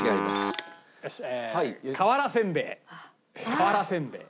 瓦せんべい。